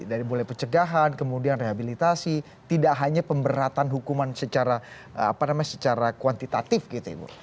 dari mulai pencegahan kemudian rehabilitasi tidak hanya pemberatan hukuman secara kuantitatif gitu ibu